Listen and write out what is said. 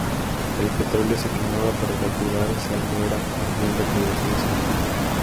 El petróleo se quemaba para evaporar salmuera a fin de producir sal.